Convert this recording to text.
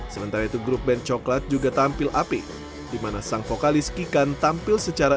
sementara itu grup band coklat juga tampil api dimana sang vokalis kikan tampil secara